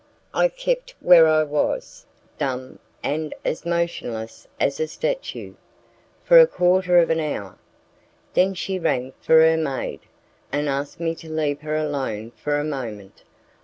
I kept where I was, dumb and as motionless as a statue, for a quarter of an hour. Then she rang for her maid, and asked me to leave her alone for a moment.